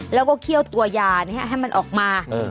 แล้วก็เคี่ยวตัวยานี่ฮะให้มันออกมาอืม